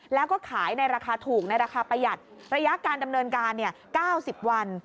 แล้วก็ขายในราคาถูกในราคาประหยัดระยะการดำเนินการ๙๐วัน